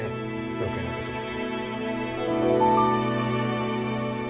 余計なこと言って。